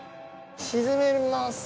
沈めます。